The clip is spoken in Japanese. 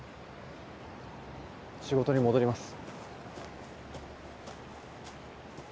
仕事に戻ります。